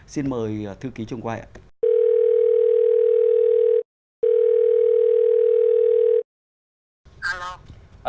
xin mời thư ký trung quai ạ